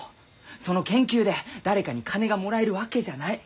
その研究で誰かに金がもらえるわけじゃない。